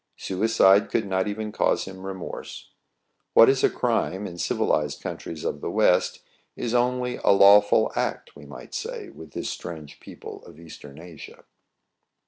Suicide couIq not even cause him remorse. What is a crime in civilized countries of the West is only a lawful act, we might say, with this strange people of Eastern Asia.